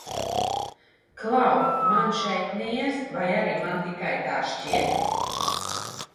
Klau, man šeit niez, vai arī man tikai tā šķiet?